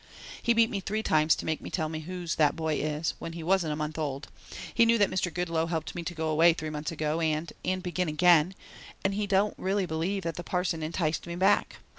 He beat me three times to make me tell whose that boy is when he wasn't a month old. He knew that Mr. Goodloe helped me to go away three months ago and and begin again, and he don't really believe that the parson enticed me back.